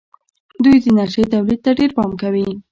دوی د انرژۍ تولید ته ډېر پام کوي.